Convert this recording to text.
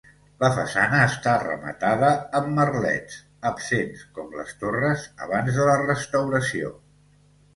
La façana està rematada amb merlets, absents com les torres abans de la restauració.